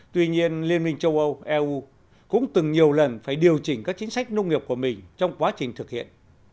tuy nhiên liên minh châu âu eu cũng từng nhiều lần phải điều chỉnh các chính sách nông nghiệp của mình trong quá trình thực hiện